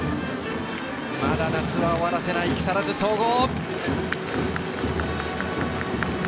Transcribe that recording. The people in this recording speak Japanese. まだ夏は終わらせない木更津総合。